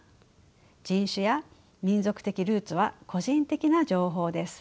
人種や民族的ルーツは個人的な情報です。